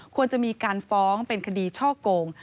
ควรจะมีการฟ้องเป็นคดีช่อโกง